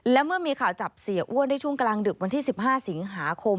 และเมื่อมีข่าวจับเสียอ้วนได้ช่วงกลางดึกวันที่๑๕สิงหาคม